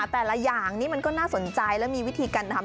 แต่ละอย่างนี้มันก็น่าสนใจและมีวิธีการทำ